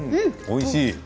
おいしい。